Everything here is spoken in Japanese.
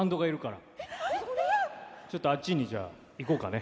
ちょっとあっちにじゃあ行こうかね。